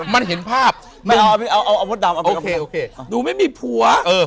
เมก็เป็นดวงกินผัว